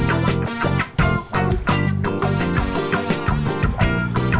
maaf sekarang saya sudah naik pangkat